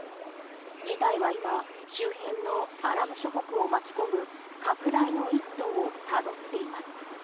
事態は今周辺のアラブ諸国を巻き込む拡大の一途をたどっています。